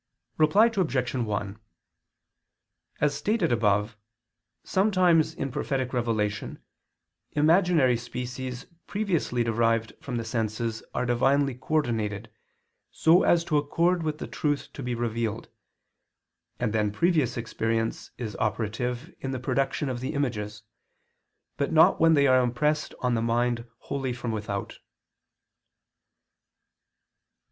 Reply Obj. 1: As stated above, sometimes in prophetic revelation imaginary species previously derived from the senses are divinely coordinated so as to accord with the truth to be revealed, and then previous experience is operative in the production of the images, but not when they are impressed on the mind wholly from without.